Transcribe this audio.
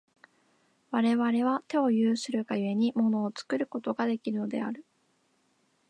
我々は手を有するが故に、物を作ることができるのである。